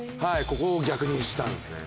ここを逆にしたんですね。